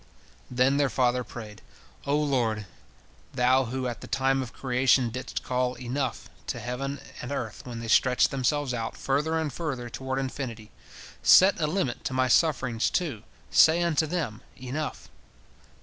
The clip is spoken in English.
Then their father prayed: "O Lord, Thou who at the time of creation didst call Enough! to heaven and earth when they stretched themselves out further and further toward infinity, set a limit to my sufferings, too, say unto them, Enough!